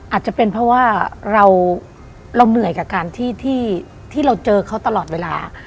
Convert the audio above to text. อาจจะเป็นเพราะว่าเราเหนื่อยกับการที่เราเจอเขาตลอดเวลา